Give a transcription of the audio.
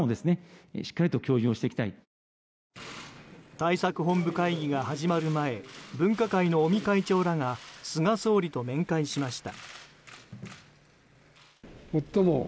対策本部会議が始まる前分科会の尾身会長らが菅総理と面会しました。